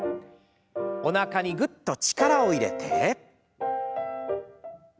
おなかにグッと力を入れて。